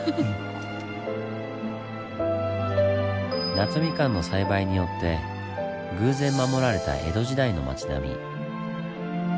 夏みかんの栽培によって偶然守られた江戸時代の町並み。